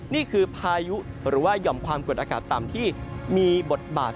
นี่คือพายุหรือว่าหย่อมความกดอากาศต่ำที่มีบทบาท